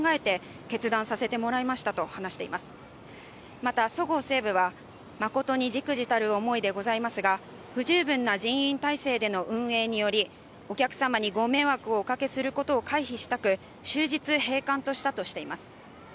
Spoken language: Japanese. また、そごう・西武は誠にじくじたる思いでございますが不十分な人員体制での運営によりお客様にご迷惑をおかけすることを回避したく終日閉館としたとしています。